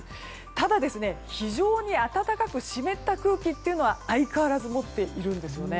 ただ、非常に暖かく湿った空気は相変わらず持っているんですよね。